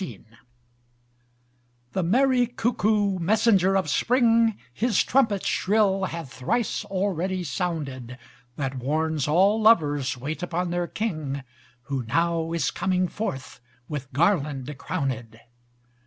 XIX The merry cuckoo, messenger of spring, His trumpet shrill hath thrice already sounded: That warns all lovers wait upon their king, Who now is coming forth with garland crowned.